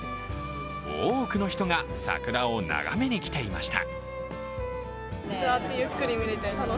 多くの人が桜を眺めに来ていました。